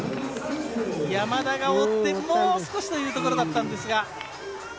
山田が追って、もう少しというところだったんですが。